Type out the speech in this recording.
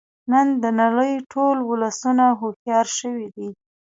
نن د نړۍ ټول ولسونه هوښیار شوی دی